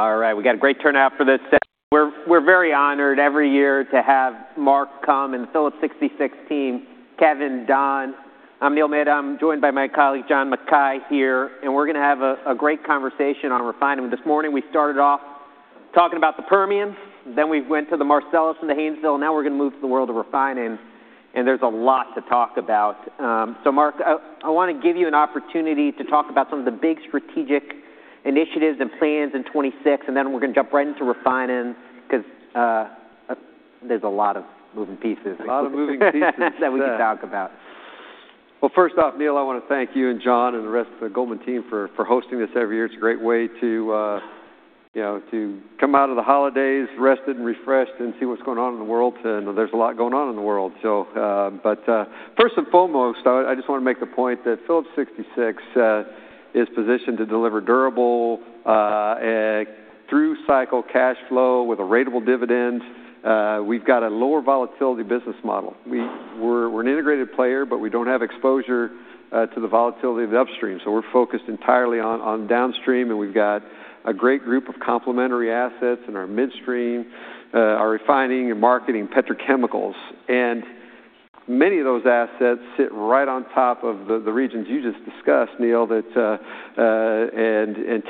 All right. We got a great turnout for this session. We're very honored every year to have Mark come and the Phillips 66 team, Kevin, Don. I'm Neil Mehta. I'm joined by my colleague John Mackay here, and we're going to have a great conversation on refining. This morning we started off talking about the Permian, then we went to the Marcellus and the Haynesville, and now we're going to move to the world of refining, and there's a lot to talk about. So Mark, I want to give you an opportunity to talk about some of the big strategic initiatives and plans in 2026, and then we're going to jump right into refining, because there's a lot of moving pieces. A lot of moving pieces. That we can talk about. First off, Neil, I want to thank you and John and the rest of the Goldman team for hosting this every year. It's a great way to come out of the holidays, rested and refreshed, and see what's going on in the world. There's a lot going on in the world. First and foremost, I just want to make the point that Phillips 66 is positioned to deliver durable through cycle cash flow with a rateable dividend. We've got a lower volatility business model. We're an integrated player, but we don't have exposure to the volatility of the upstream. We're focused entirely on downstream. We've got a great group of complementary assets in our midstream, our refining and marketing petrochemicals. And many of those assets sit right on top of the regions you just discussed, Neil, and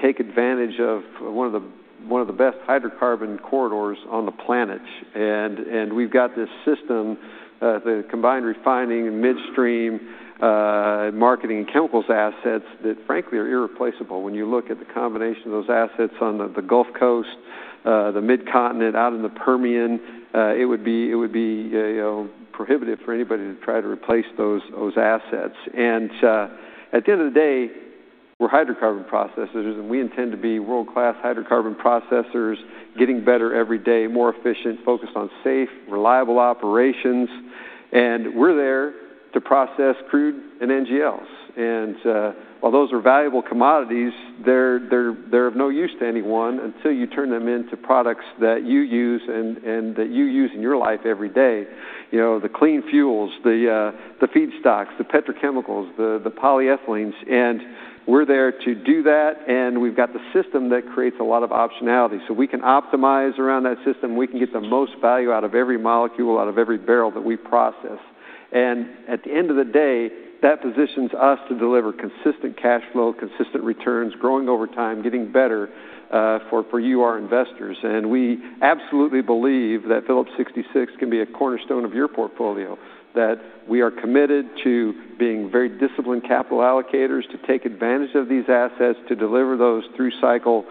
take advantage of one of the best hydrocarbon corridors on the planet. And we've got this system, the combined refining and midstream marketing and chemicals assets that, frankly, are irreplaceable. When you look at the combination of those assets on the Gulf Coast, the Midcontinent, out in the Permian, it would be prohibitive for anybody to try to replace those assets. And at the end of the day, we're hydrocarbon processors, and we intend to be world-class hydrocarbon processors, getting better every day, more efficient, focused on safe, reliable operations. And we're there to process crude and NGLs. While those are valuable commodities, they're of no use to anyone until you turn them into products that you use and that you use in your life every day: the clean fuels, the feedstocks, the petrochemicals, the polyethylenes. We're there to do that. We've got the system that creates a lot of optionality. We can optimize around that system. We can get the most value out of every molecule, out of every barrel that we process. At the end of the day, that positions us to deliver consistent cash flow, consistent returns, growing over time, getting better for you, our investors. We absolutely believe that Phillips 66 can be a cornerstone of your portfolio, that we are committed to being very disciplined capital allocators to take advantage of these assets, to deliver those through cycle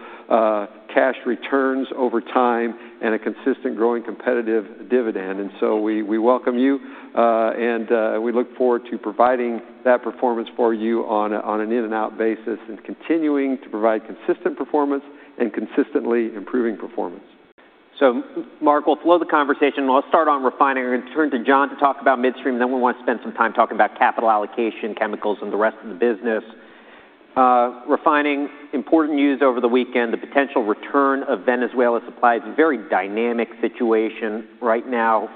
cash returns over time and a consistent growing competitive dividend. So we welcome you, and we look forward to providing that performance for you on an in-and-out basis and continuing to provide consistent performance and consistently improving performance. So Mark will flow the conversation. I'll start on refining. I'm going to turn to John to talk about midstream. Then we want to spend some time talking about capital allocation, chemicals, and the rest of the business. Refining, important news over the weekend, the potential return of Venezuela supply. It's a very dynamic situation right now.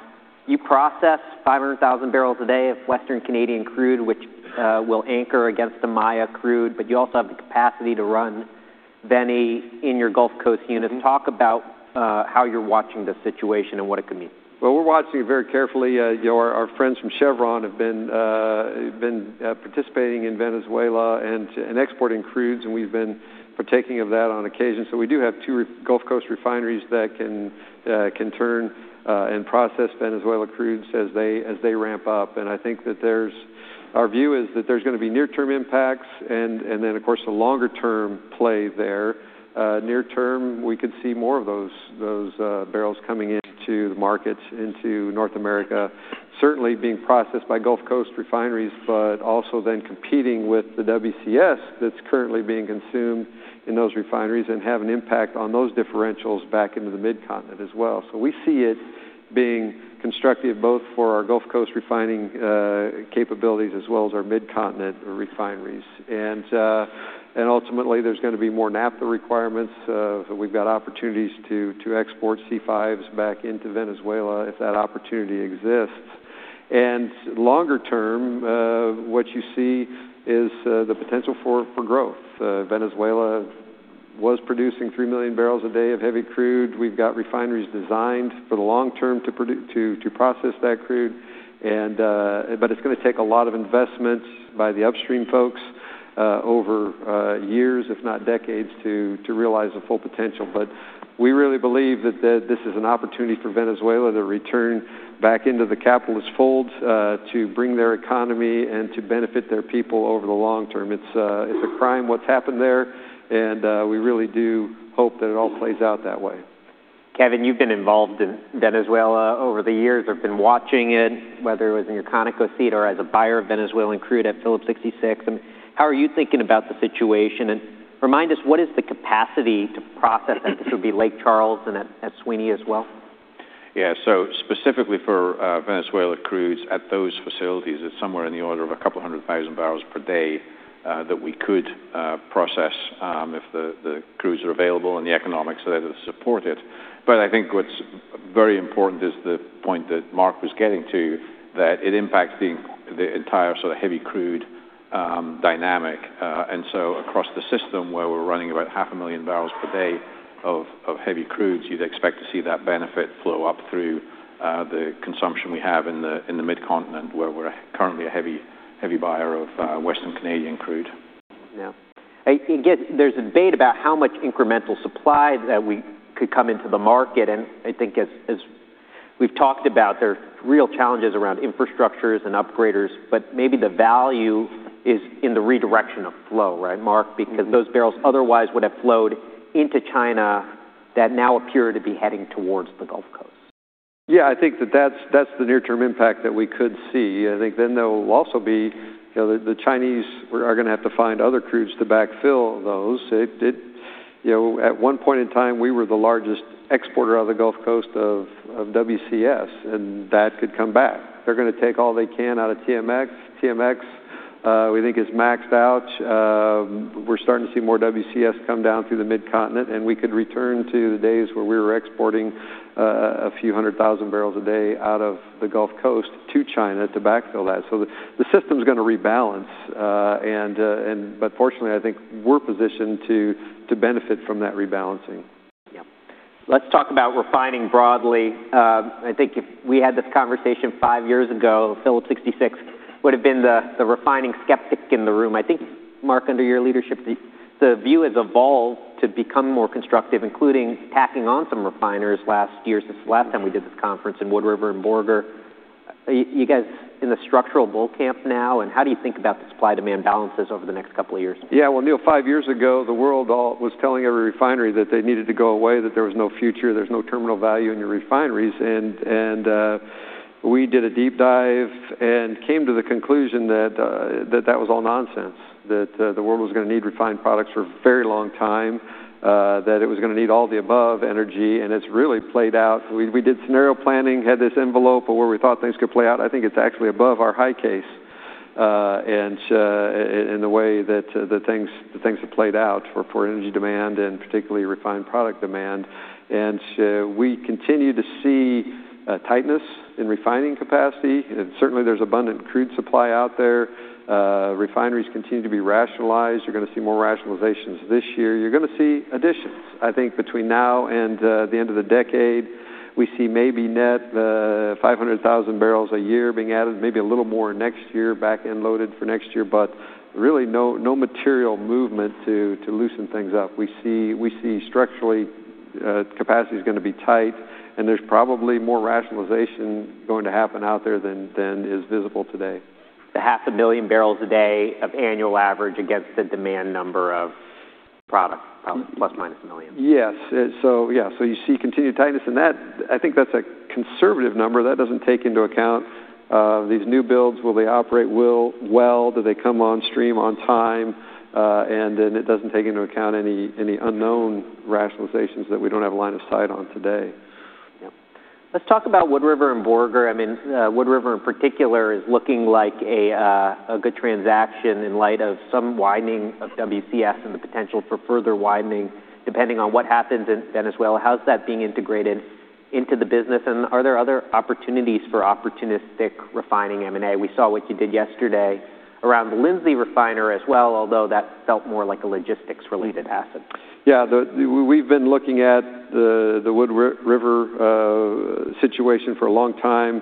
You process 500,000 barrels a day of Western Canadian crude, which will anchor against the Maya crude. But you also have the capacity to run Venezuelan in your Gulf Coast unit. Talk about how you're watching this situation and what it could mean. We're watching it very carefully. Our friends from Chevron have been participating in Venezuela and exporting crudes, and we've been partaking of that on occasion, so we do have two Gulf Coast refineries that can turn and process Venezuelan crudes as they ramp up, and I think that our view is that there's going to be near-term impacts and then, of course, a longer-term play there. Near-term, we could see more of those barrels coming into the market, into North America, certainly being processed by Gulf Coast refineries, but also then competing with the WCS that's currently being consumed in those refineries and have an impact on those differentials back into the Midcontinent as well, so we see it being constructive both for our Gulf Coast refining capabilities as well as our Midcontinent refineries, and ultimately, there's going to be more naphtha requirements. We've got opportunities to export C5s back into Venezuela if that opportunity exists, and longer-term, what you see is the potential for growth. Venezuela was producing three million barrels a day of heavy crude. We've got refineries designed for the long term to process that crude, but it's going to take a lot of investments by the upstream folks over years, if not decades, to realize the full potential, but we really believe that this is an opportunity for Venezuela to return back into the capitalist fold to bring their economy and to benefit their people over the long term. It's a crime what's happened there, and we really do hope that it all plays out that way. Kevin, you've been involved in Venezuela over the years. I've been watching it, whether it was in your Conoco seat or as a buyer of Venezuelan crude at Phillips 66. How are you thinking about the situation? And remind us, what is the capacity to process at this would be Lake Charles and at Sweeny as well? Yeah. So specifically for Venezuela crudes at those facilities, it's somewhere in the order of a couple hundred thousand barrels per day that we could process if the crudes are available and the economics are there to support it. But I think what's very important is the point that Mark was getting to, that it impacts the entire sort of heavy crude dynamic. And so across the system, where we're running about 500,000 barrels per day of heavy crudes, you'd expect to see that benefit flow up through the consumption we have in the Midcontinent, where we're currently a heavy buyer of Western Canadian crude. Yeah. There's debate about how much incremental supply that we could come into the market. And I think as we've talked about, there are real challenges around infrastructures and upgraders. But maybe the value is in the redirection of flow, right, Mark? Because those barrels otherwise would have flowed into China that now appear to be heading towards the Gulf Coast. Yeah. I think that that's the near-term impact that we could see. I think then there will also be the Chinese are going to have to find other crudes to backfill those. At one point in time, we were the largest exporter of the Gulf Coast of WCS, and that could come back. They're going to take all they can out of TMX. TMX, we think, is maxed out. We're starting to see more WCS come down through the Midcontinent, and we could return to the days where we were exporting a few hundred thousand barrels a day out of the Gulf Coast to China to backfill that, so the system's going to rebalance, but fortunately, I think we're positioned to benefit from that rebalancing. Yeah. Let's talk about refining broadly. I think if we had this conversation five years ago, Phillips 66 would have been the refining skeptic in the room. I think, Mark, under your leadership, the view has evolved to become more constructive, including tacking on some refiners last year. This is the last time we did this conference in Wood River and Borger. You guys in the structural bull camp now? And how do you think about the supply-demand balances over the next couple of years? Yeah. Well, Neil, five years ago, the world was telling every refinery that they needed to go away, that there was no future, there's no terminal value in your refineries. We did a deep dive and came to the conclusion that that was all nonsense, that the world was going to need refined products for a very long time, that it was going to need all the above energy. It's really played out. We did scenario planning, had this envelope of where we thought things could play out. I think it's actually above our high case in the way that things have played out for energy demand and particularly refined product demand. We continue to see tightness in refining capacity. Certainly, there's abundant crude supply out there. Refineries continue to be rationalized. You're going to see more rationalizations this year. You're going to see additions. I think between now and the end of the decade, we see maybe net 500,000 barrels a year being added, maybe a little more next year, back-end loaded for next year. But really, no material movement to loosen things up. We see structurally capacity is going to be tight. And there's probably more rationalization going to happen out there than is visible today. The 500,000 barrels a day of annual average against the demand number of product, plus minus 1 million. Yes. So yeah. So you see continued tightness. And I think that's a conservative number. That doesn't take into account these new builds. Will they operate well? Do they come on stream on time? And then it doesn't take into account any unknown rationalizations that we don't have a line of sight on today. Yeah. Let's talk about Wood River and Borger. I mean, Wood River in particular is looking like a good transaction in light of some widening of WCS and the potential for further widening, depending on what happens in Venezuela. How's that being integrated into the business, and are there other opportunities for opportunistic refining M&A? We saw what you did yesterday around the Lindsey refinery as well, although that felt more like a logistics-related asset. Yeah. We've been looking at the Wood River situation for a long time.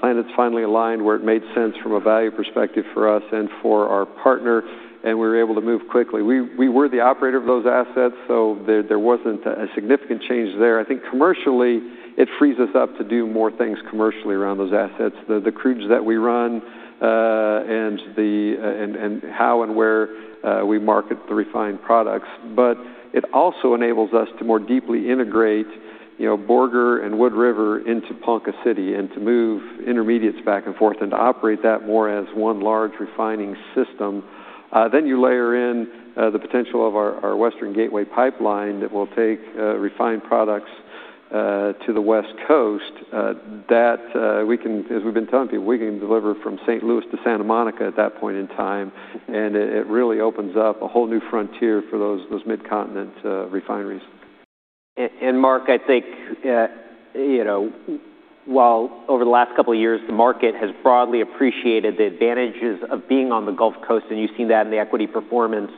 Planets finally aligned where it made sense from a value perspective for us and for our partner. And we were able to move quickly. We were the operator of those assets, so there wasn't a significant change there. I think commercially, it frees us up to do more things commercially around those assets, the crudes that we run and how and where we market the refined products. But it also enables us to more deeply integrate Borger and Wood River into Ponca City and to move intermediates back and forth and to operate that more as one large refining system. Then you layer in the potential of our Western Gateway pipeline that will take refined products to the West Coast. As we've been telling people, we can deliver from St. Louis to Santa Monica at that point in time and it really opens up a whole new frontier for those Midcontinent refineries. And, Mark, I think while over the last couple of years, the market has broadly appreciated the advantages of being on the Gulf Coast, and you've seen that in the equity performance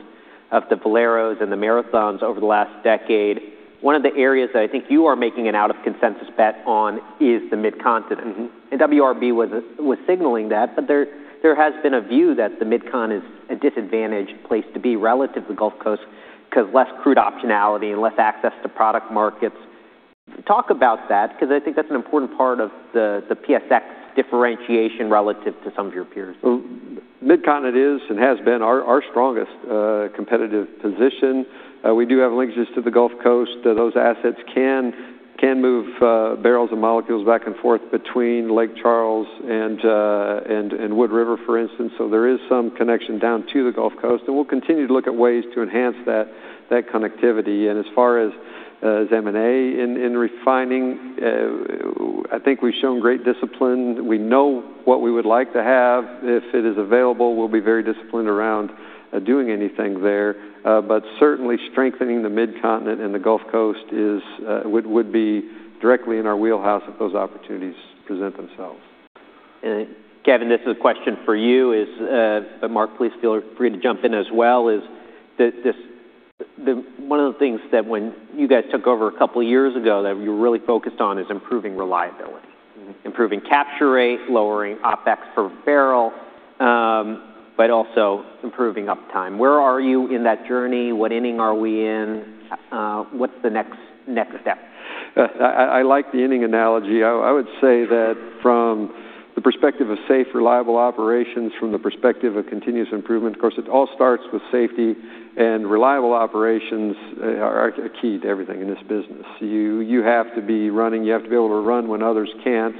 of the Valero and the Marathon over the last decade, one of the areas that I think you are making an out-of-consensus bet on is the Midcontinent. And WRB was signaling that. But there has been a view that the Midcontinent is a disadvantaged place to be relative to the Gulf Coast because of less crude optionality and less access to product markets. Talk about that because I think that's an important part of the PSX differentiation relative to some of your peers. Midcontinent is and has been our strongest competitive position. We do have linkages to the Gulf Coast. Those assets can move barrels and molecules back and forth between Lake Charles and Wood River, for instance. So there is some connection down to the Gulf Coast. And we'll continue to look at ways to enhance that connectivity. And as far as M&A in refining, I think we've shown great discipline. We know what we would like to have. If it is available, we'll be very disciplined around doing anything there. But certainly, strengthening the Midcontinent and the Gulf Coast would be directly in our wheelhouse if those opportunities present themselves. Kevin, this is a question for you. Mark, please feel free to jump in as well. One of the things that when you guys took over a couple of years ago that you were really focused on is improving reliability, improving capture rate, lowering OpEx per barrel, but also improving uptime. Where are you in that journey? What inning are we in? What's the next step? I like the inning analogy. I would say that from the perspective of safe, reliable operations, from the perspective of continuous improvement, of course, it all starts with safety. And reliable operations are key to everything in this business. You have to be running. You have to be able to run when others can't.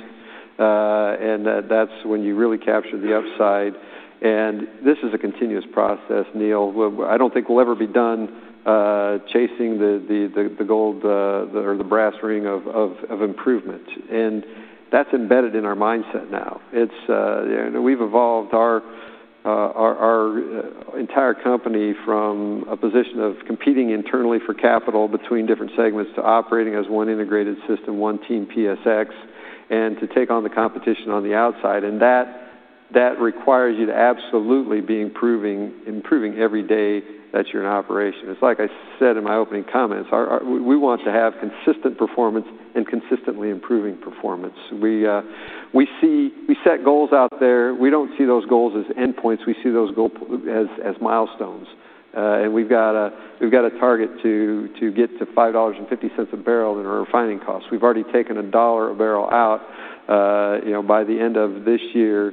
And that's when you really capture the upside. And this is a continuous process, Neil. I don't think we'll ever be done chasing the gold or the brass ring of improvement. And that's embedded in our mindset now. We've evolved our entire company from a position of competing internally for capital between different segments to operating as one integrated system, one team PSX, and to take on the competition on the outside. And that requires you to absolutely be improving every day that you're in operation. It's like I said in my opening comments, we want to have consistent performance and consistently improving performance. We set goals out there. We don't see those goals as endpoints. We see those goals as milestones. And we've got a target to get to $5.50 a barrel in our refining costs. We've already taken a dollar a barrel out. By the end of this year,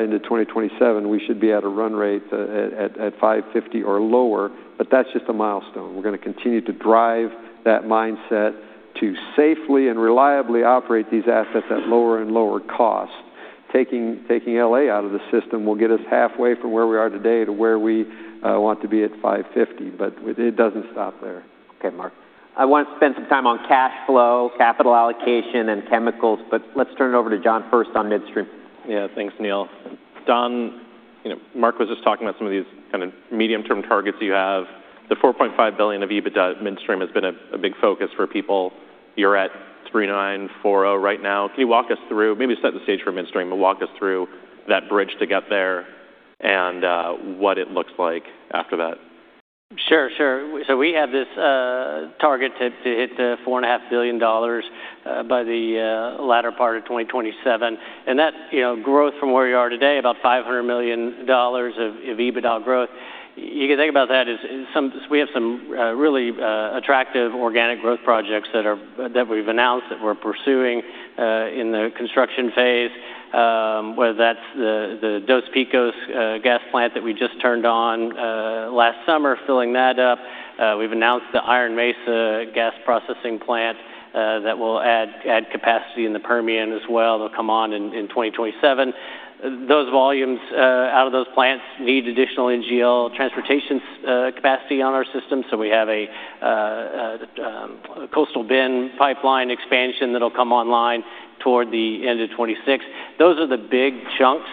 into 2027, we should be at a run rate at $5.50 or lower. But that's just a milestone. We're going to continue to drive that mindset to safely and reliably operate these assets at lower and lower cost. Taking LA out of the system will get us halfway from where we are today to where we want to be at $5.50. But it doesn't stop there. Okay, Mark. I want to spend some time on cash flow, capital allocation, and chemicals. But let's turn it over to John first on midstream. Yeah. Thanks, Neil. John, Mark was just talking about some of these kind of medium-term targets you have. The $4.5 billion of EBITDA midstream has been a big focus for people. You're at $3.940 right now. Can you walk us through, maybe set the stage for midstream, but walk us through that bridge to get there and what it looks like after that? Sure, sure. So we have this target to hit the $4.5 billion by the latter part of 2027. And that growth from where you are today, about $500 million of EBITDA growth, you can think about that as we have some really attractive organic growth projects that we've announced that we're pursuing in the construction phase, whether that's the Dos Picos gas plant that we just turned on last summer, filling that up. We've announced the Iron Mesa gas processing plant that will add capacity in the Permian as well. They'll come on in 2027. Those volumes out of those plants need additional NGL transportation capacity on our system. So we have a Coastal Bend pipeline expansion that'll come online toward the end of 2026. Those are the big chunks,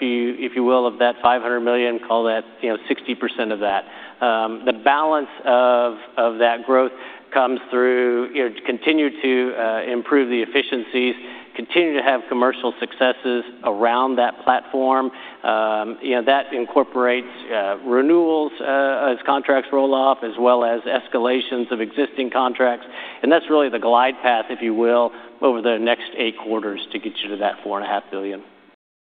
if you will, of that $500 million. Call that 60% of that. The balance of that growth comes through continuing to improve the efficiencies, continue to have commercial successes around that platform. That incorporates renewals as contracts roll off, as well as escalations of existing contracts, and that's really the glide path, if you will, over the next eight quarters to get you to that $4.5 billion.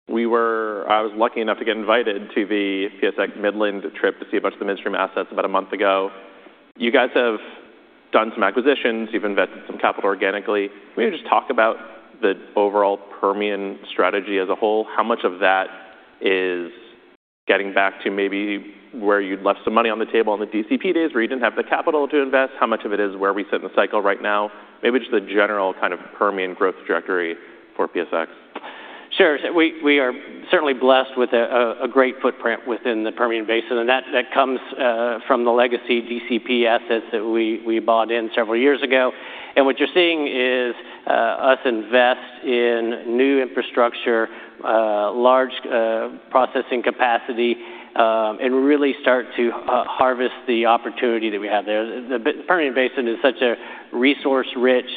I was lucky enough to get invited to the PSX Midland trip to see a bunch of the midstream assets about a month ago. You guys have done some acquisitions. You've invested some capital organically. Can you just talk about the overall Permian strategy as a whole? How much of that is getting back to maybe where you'd left some money on the table on the DCP days where you didn't have the capital to invest? How much of it is where we sit in the cycle right now? Maybe just the general kind of Permian growth trajectory for PSX. Sure. We are certainly blessed with a great footprint within the Permian Basin. And that comes from the legacy DCP assets that we bought several years ago. And what you're seeing is us invest in new infrastructure, large processing capacity, and really start to harvest the opportunity that we have there. The Permian Basin is such a resource-rich,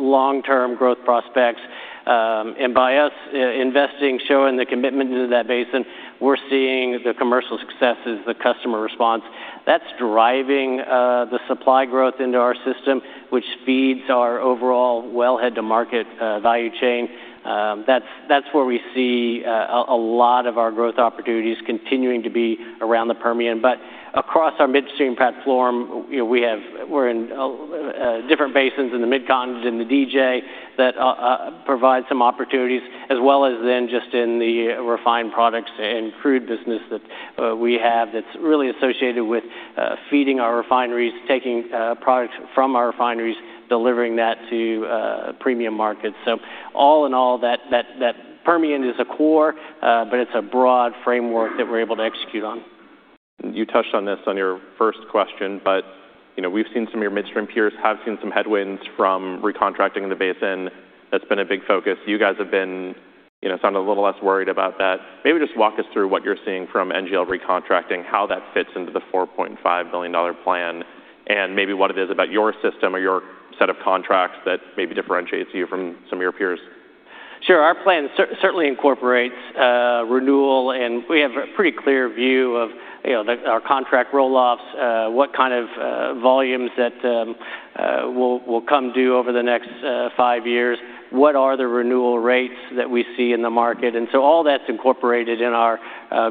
long-term growth prospects. And by us investing, showing the commitment to that basin, we're seeing the commercial successes, the customer response. That's driving the supply growth into our system, which feeds our overall wellhead to market value chain. That's where we see a lot of our growth opportunities continuing to be around the Permian. Across our midstream platform, we're in different basins in the Midcontinent and the DJ that provide some opportunities, as well as then just in the refined products and crude business that we have that's really associated with feeding our refineries, taking products from our refineries, delivering that to premium markets. So all in all, that Permian is a core, but it's a broad framework that we're able to execute on. You touched on this on your first question. But we've seen some of your midstream peers have seen some headwinds from recontracting in the basin. That's been a big focus. You guys have been sounding a little less worried about that. Maybe just walk us through what you're seeing from NGL recontracting, how that fits into the $4.5 billion plan, and maybe what it is about your system or your set of contracts that maybe differentiates you from some of your peers. Sure. Our plan certainly incorporates renewal, and we have a pretty clear view of our contract roll-offs, what kind of volumes that will come due over the next five years, what are the renewal rates that we see in the market, and so all that's incorporated in our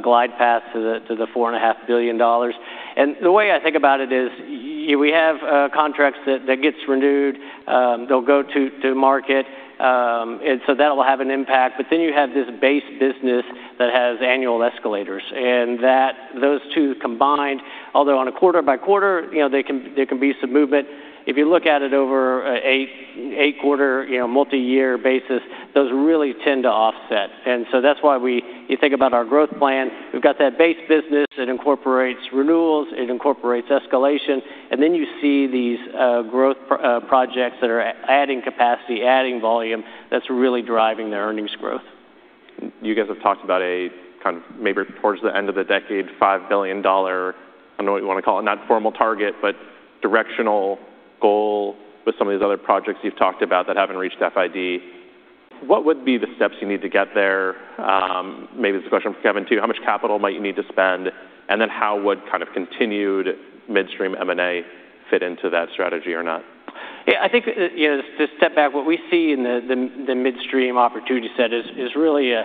glide path to the $4.5 billion, and the way I think about it is we have contracts that get renewed. They'll go to market, and so that will have an impact, but then you have this base business that has annual escalators, and those two combined, although on a quarter-by-quarter, there can be some movement. If you look at it over an eight-quarter multi-year basis, those really tend to offset, and so that's why you think about our growth plan. We've got that base business. It incorporates renewals. It incorporates escalation. Then you see these growth projects that are adding capacity, adding volume. That's really driving their earnings growth. You guys have talked about a kind of maybe towards the end of the decade $5 billion. I don't know what you want to call it, not formal target, but directional goal with some of these other projects you've talked about that haven't reached FID. What would be the steps you need to get there? Maybe it's a question for Kevin too. How much capital might you need to spend? And then how would kind of continued midstream M&A fit into that strategy or not? Yeah. I think to step back, what we see in the midstream opportunity set is really a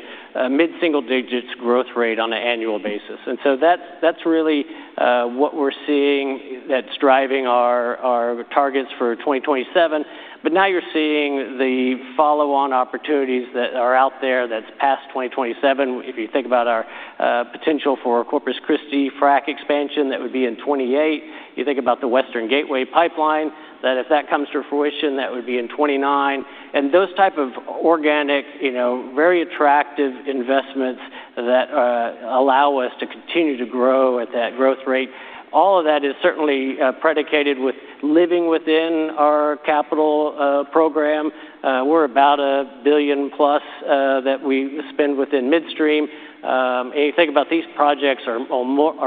mid-single digits growth rate on an annual basis. And so that's really what we're seeing that's driving our targets for 2027. But now you're seeing the follow-on opportunities that are out there that's past 2027. If you think about our potential for Corpus Christi frac expansion, that would be in 2028. You think about the Western Gateway pipeline, that if that comes to fruition, that would be in 2029. And those type of organic, very attractive investments that allow us to continue to grow at that growth rate, all of that is certainly predicated with living within our capital program. We're about $1 billion plus that we spend within midstream. And you think about these projects are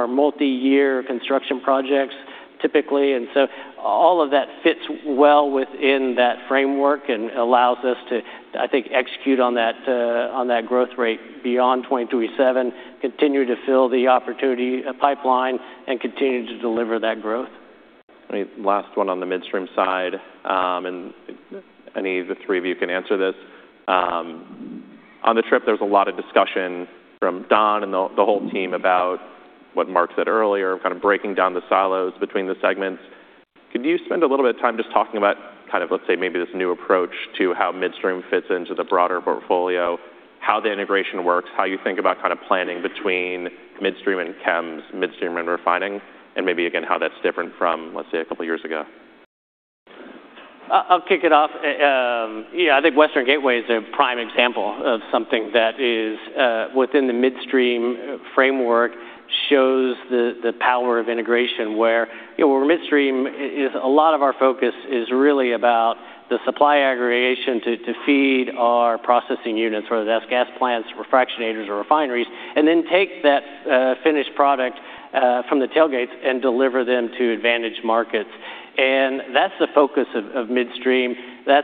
multi-year construction projects typically. And so all of that fits well within that framework and allows us to, I think, execute on that growth rate beyond 2027, continue to fill the opportunity pipeline, and continue to deliver that growth. Last one on the midstream side. And any of the three of you can answer this. On the trip, there was a lot of discussion from Don and the whole team about what Mark said earlier, kind of breaking down the silos between the segments. Could you spend a little bit of time just talking about kind of, let's say, maybe this new approach to how midstream fits into the broader portfolio, how the integration works, how you think about kind of planning between midstream and Chems, midstream and refining, and maybe again how that's different from, let's say, a couple of years ago? I'll kick it off. Yeah. I think Western Gateway is a prime example of something that is within the midstream framework shows the power of integration where midstream, a lot of our focus is really about the supply aggregation to feed our processing units, whether that's gas plants, fractionators, or refineries, and then take that finished product from the tailgates and deliver them to advantaged markets, and that's the focus of midstream. That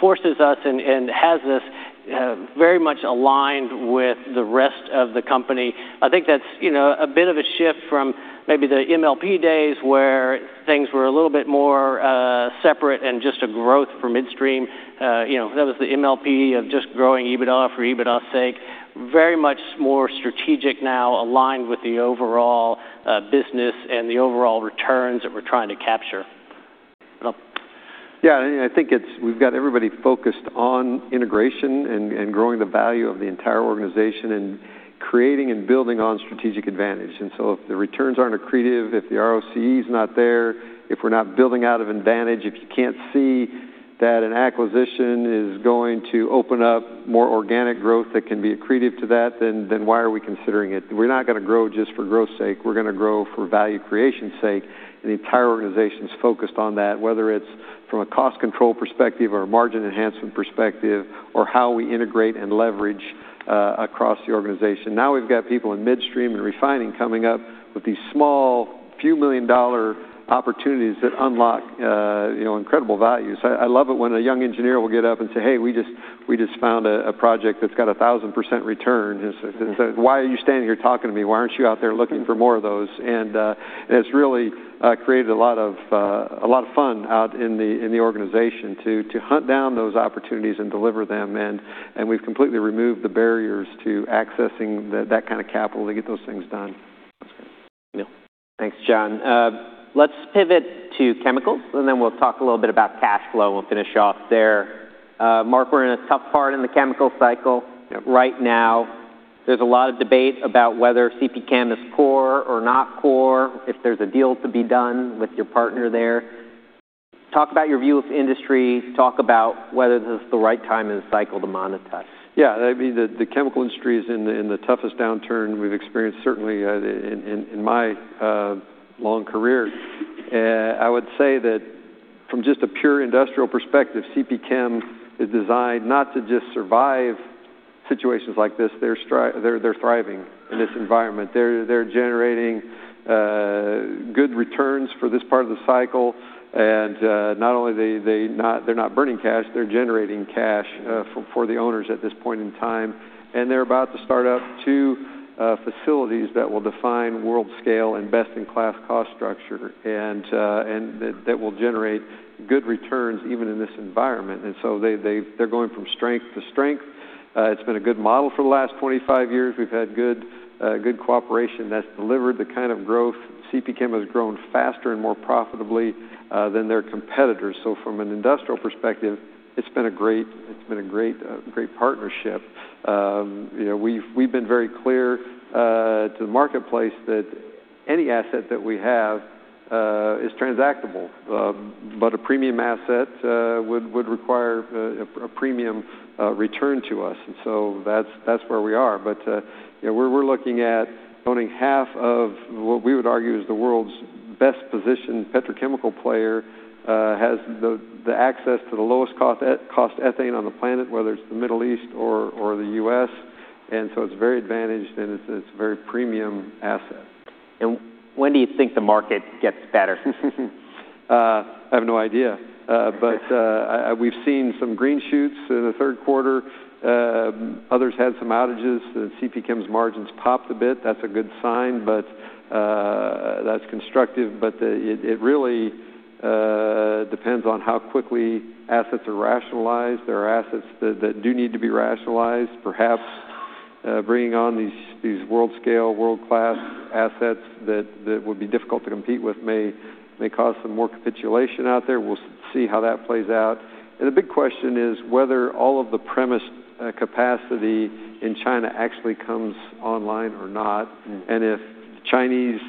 forces us and has us very much aligned with the rest of the company. I think that's a bit of a shift from maybe the MLP days where things were a little bit more separate and just a growth for midstream. That was the MLP of just growing EBITDA for EBITDA's sake. Very much more strategic now aligned with the overall business and the overall returns that we're trying to capture. Yeah. I think we've got everybody focused on integration and growing the value of the entire organization and creating and building on strategic advantage. And so if the returns aren't accretive, if the ROCE is not there, if we're not building out of advantage, if you can't see that an acquisition is going to open up more organic growth that can be accretive to that, then why are we considering it? We're not going to grow just for growth's sake. We're going to grow for value creation's sake. And the entire organization's focused on that, whether it's from a cost control perspective or a margin enhancement perspective or how we integrate and leverage across the organization. Now we've got people in midstream and refining coming up with these small, few million-dollar opportunities that unlock incredible values. I love it when a young engineer will get up and say, "Hey, we just found a project that's got a 1,000% return." And he says, "Why are you standing here talking to me? Why aren't you out there looking for more of those?" And it's really created a lot of fun out in the organization to hunt down those opportunities and deliver them. And we've completely removed the barriers to accessing that kind of capital to get those things done. Thanks, John. Let's pivot to chemicals. And then we'll talk a little bit about cash flow and we'll finish off there. Mark, we're in a tough part in the chemical cycle right now. There's a lot of debate about whether CP Chem is core or not core, if there's a deal to be done with your partner there. Talk about your view of the industry. Talk about whether this is the right time in the cycle to monetize. Yeah. The chemical industry is in the toughest downturn we've experienced, certainly in my long career. I would say that from just a pure industrial perspective, CP Chem is designed not to just survive situations like this. They're thriving in this environment. They're generating good returns for this part of the cycle, and not only they're not burning cash, they're generating cash for the owners at this point in time, and they're about to start up two facilities that will define world scale and best-in-class cost structure and that will generate good returns even in this environment, so they're going from strength to strength. It's been a good model for the last 25 years. We've had good cooperation that's delivered the kind of growth. CP Chem has grown faster and more profitably than their competitors, so from an industrial perspective, it's been a great partnership. We've been very clear to the marketplace that any asset that we have is transactable, but a premium asset would require a premium return to us. And so that's where we are. But we're looking at owning half of what we would argue is the world's best-positioned petrochemical player, has the access to the lowest cost ethane on the planet, whether it's the Middle East or the U.S. And so it's very advantaged and it's a very premium asset. When do you think the market gets better? I have no idea. But we've seen some green shoots in the Q3. Others had some outages. CP Chem's margins popped a bit. That's a good sign. But that's constructive. But it really depends on how quickly assets are rationalized. There are assets that do need to be rationalized. Perhaps bringing on these world-scale, world-class assets that would be difficult to compete with may cause some more capitulation out there. We'll see how that plays out. And the big question is whether all of the promised capacity in China actually comes online or not. And if the Chinese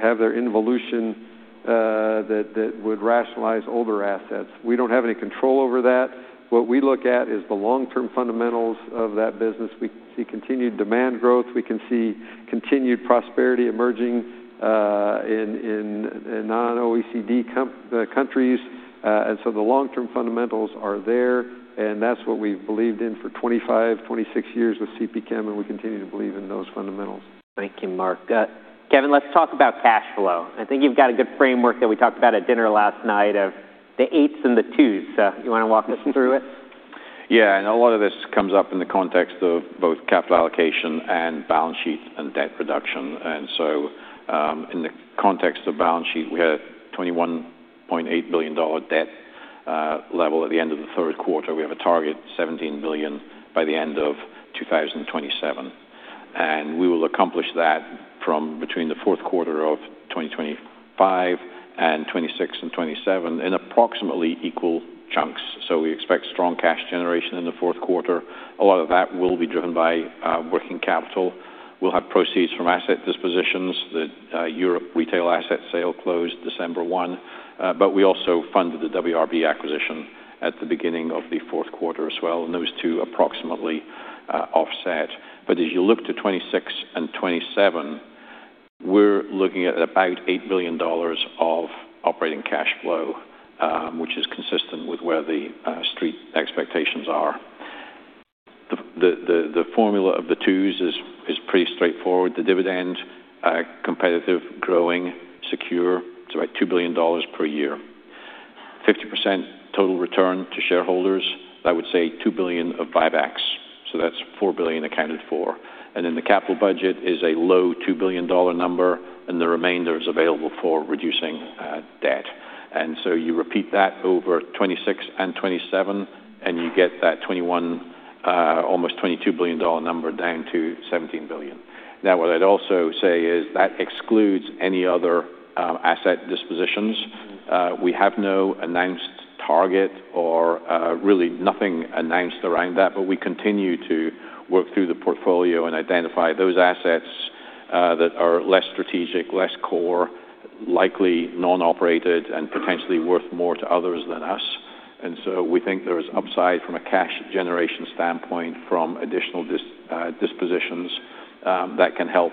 have their involution that would rationalize older assets, we don't have any control over that. What we look at is the long-term fundamentals of that business. We see continued demand growth. We can see continued prosperity emerging in non-OECD countries. And so the long-term fundamentals are there. And that's what we've believed in for 25, 26 years with CP Chem. And we continue to believe in those fundamentals. Thank you, Mark. Kevin, let's talk about cash flow. I think you've got a good framework that we talked about at dinner last night of the eights and the twos. You want to walk us through it? Yeah. And a lot of this comes up in the context of both capital allocation and balance sheet and debt reduction. And so in the context of balance sheet, we had a $21.8 billion debt level at the end of the Q3. We have a target of $17 billion by the end of 2027. And we will accomplish that from between the Q4 of 2025 and 2026 and 2027 in approximately equal chunks. So we expect strong cash generation in the Q4. A lot of that will be driven by working capital. We'll have proceeds from asset dispositions. That European retail asset sale closed December 1. But we also funded the WRB acquisition at the beginning of the Q4 as well. And those two approximately offset. But as you look to 2026 and 2027, we're looking at about $8 billion of operating cash flow, which is consistent with where the street expectations are. The formula of the twos is pretty straightforward. The dividend, competitive, growing, secure, it's about $2 billion per year. 50% total return to shareholders. That would say $2 billion of buybacks. So that's $4 billion accounted for. And then the capital budget is a low $2 billion number. And the remainder is available for reducing debt. And so you repeat that over 2026 and 2027, and you get that almost $22 billion number down to $17 billion. Now, what I'd also say is that excludes any other asset dispositions. We have no announced target or really nothing announced around that. We continue to work through the portfolio and identify those assets that are less strategic, less core, likely non-operated, and potentially worth more to others than us. We think there is upside from a cash generation standpoint from additional dispositions that can help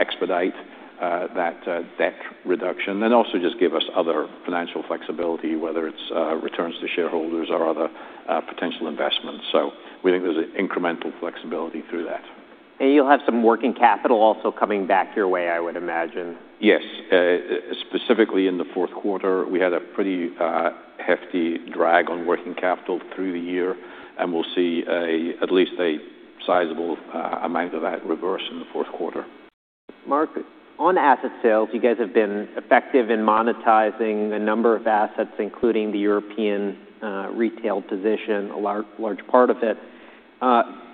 expedite that debt reduction and also just give us other financial flexibility, whether it's returns to shareholders or other potential investments. We think there's an incremental flexibility through that. You'll have some working capital also coming back your way, I would imagine. Yes. Specifically in the Q4, we had a pretty hefty drag on working capital through the year. And we'll see at least a sizable amount of that reverse in the Q4. Mark, on asset sales, you guys have been effective in monetizing a number of assets, including the European retail position, a large part of it.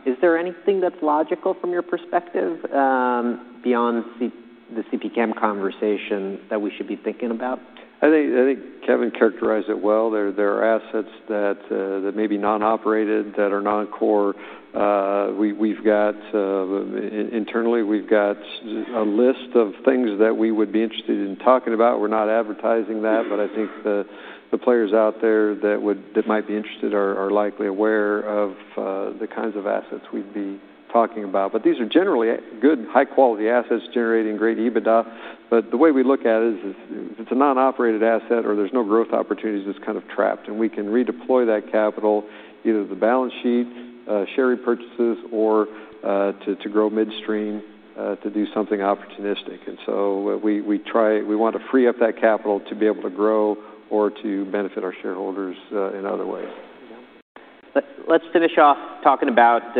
Is there anything that's logical from your perspective beyond the CP Chem conversation that we should be thinking about? I think Kevin characterized it well. There are assets that may be non-operated that are non-core. Internally, we've got a list of things that we would be interested in talking about. We're not advertising that. But I think the players out there that might be interested are likely aware of the kinds of assets we'd be talking about. But these are generally good, high-quality assets generating great EBITDA. But the way we look at it is if it's a non-operated asset or there's no growth opportunities, it's kind of trapped. And we can redeploy that capital either to the balance sheet, share repurchases, or to grow midstream to do something opportunistic. And so we want to free up that capital to be able to grow or to benefit our shareholders in other ways. Let's finish off talking about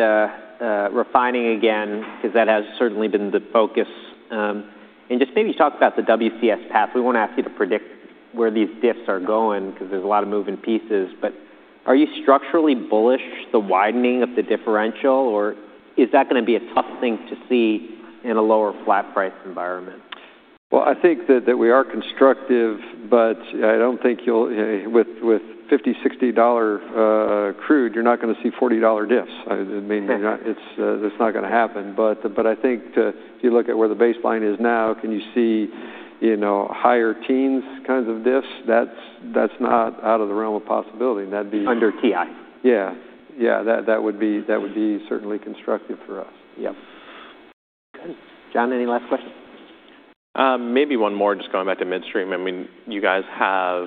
refining again because that has certainly been the focus, and just maybe talk about the WCS path. We want to ask you to predict where these diffs are going because there's a lot of moving pieces, but are you structurally bullish the widening of the differential? Or is that going to be a tough thing to see in a lower flat price environment? I think that we are constructive. But I don't think with $50, $60 crude, you're not going to see $40 diffs. That's not going to happen. But I think if you look at where the baseline is now, can you see higher teens kinds of diffs? That's not out of the realm of possibility. Under TI. Yeah. Yeah. That would be certainly constructive for us. Yep. John, any last questions? Maybe one more just going back to midstream. I mean, you guys have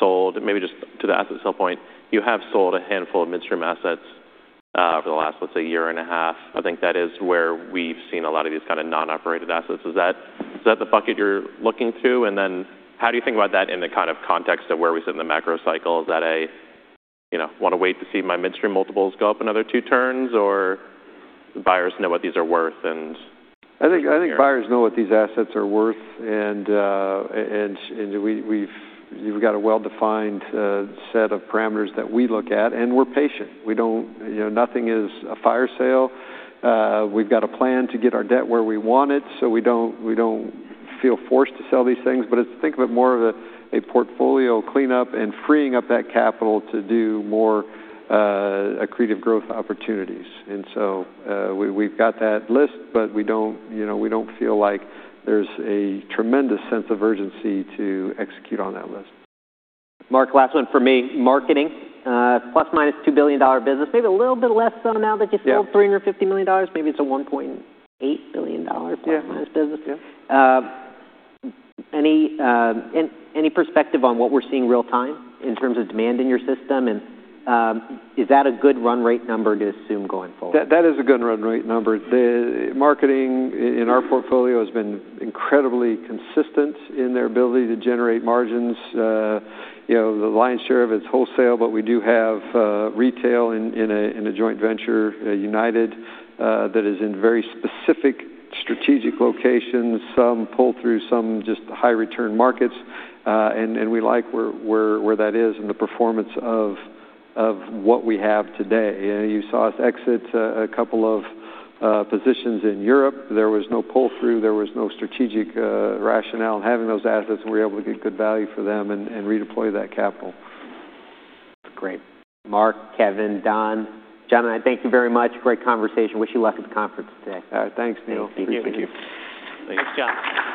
sold maybe just to the asset sale point, you have sold a handful of midstream assets over the last, let's say, year and a half. I think that is where we've seen a lot of these kind of non-operated assets. Is that the bucket you're looking through? And then how do you think about that in the kind of context of where we sit in the macro cycle? Is that a, "Want to wait to see my midstream multiples go up another two turns?" Or buyers know what these are worth and. I think buyers know what these assets are worth. We've got a well-defined set of parameters that we look at. We're patient. Nothing is a fire sale. We've got a plan to get our debt where we want it. So we don't feel forced to sell these things. But think of it more as a portfolio cleanup and freeing up that capital to do more accretive growth opportunities. So we've got that list. But we don't feel like there's a tremendous sense of urgency to execute on that list. Mark, last one for me. Marketing, plus/minus $2 billion business. Maybe a little bit less so now that you sold $350 million. Maybe it's a $1.8 billion plus/minus business. Any perspective on what we're seeing real-time in terms of demand in your system? And is that a good run rate number to assume going forward? That is a good run rate number. Marketing in our portfolio has been incredibly consistent in their ability to generate margins. The lion's share of it's wholesale. But we do have retail in a joint venture, United, that is in very specific strategic locations, some pull-through, some just high-return markets. And we like where that is and the performance of what we have today. You saw us exit a couple of positions in Europe. There was no pull-through. There was no strategic rationale in having those assets. And we were able to get good value for them and redeploy that capital. Great. Mark, Kevin, Don, John, I thank you very much. Great conversation. Wish you luck at the conference today. All right. Thanks, Neil. Thank you. Thanks, John.